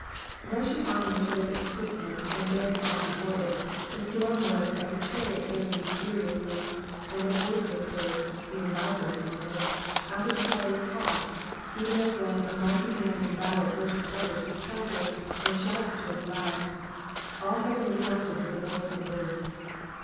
'*" Rushing on with terrific swiftness and bearing all before it, the storm was as a chariot driven furiously, and a voice was heard (even thy voice, O Lord !) out of the fiery car, even as when a mighty man in battle urges forward his charger, and shouts to it aloud. All heaven resounded with the voice of the Lord.